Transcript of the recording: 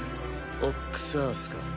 「オックス・アース」か。